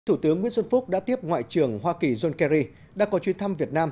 thủ tướng nguyễn xuân phúc đã tiếp ngoại trưởng hoa kỳ john kerry đã có chuyến thăm việt nam